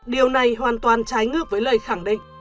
điều này hoàn toàn trái ngược với lời khẳng định